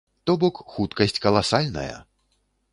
То бок хуткасць каласальная!